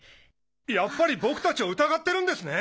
やっぱり僕達を疑ってるんですね！